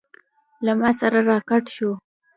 له ما سره راکټ و.